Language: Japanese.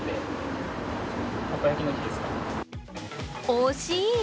惜しい。